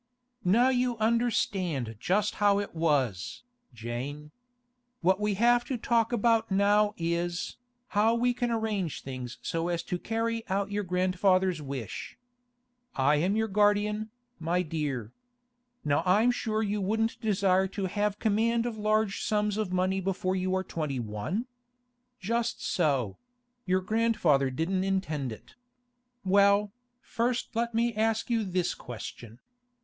'Now you understand just how it was, Jane. What we have to talk about now is, how we can arrange things so as to carry out your grandfather's wish. I am your guardian, my dear. Now I'm sure you wouldn't desire to have command of large sums of money before you are twenty one? Just so; your grandfather didn't intend it. Well, first let me ask you this question.